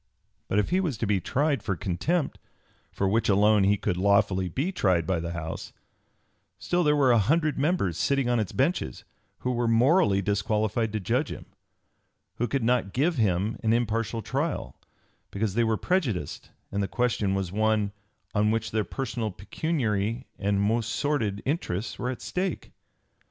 But if he was to be tried for contempt, for which alone he could lawfully be tried by the House, still there were an hundred members sitting on its benches who were morally disqualified to judge him, who could not give him an impartial trial, because they were prejudiced and the question was one "on which their personal, pecuniary, and most sordid interests were at stake."